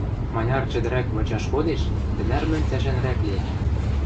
Маняр чӹдӹрӓк вычаш кодеш, тӹнӓр мӹнь цӓшӓнрӓк лиӓм.